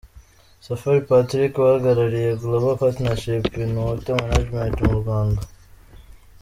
Safari Patrick uhagarariye Global Partnership in Water Management mu Rwanda.